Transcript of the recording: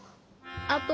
あと